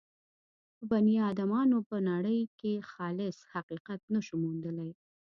په بني ادمانو به نړۍ کې خالص حقیقت نه شو موندلای.